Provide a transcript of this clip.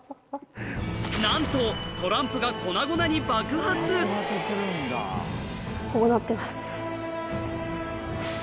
なんとトランプが粉々に爆発こうなってます。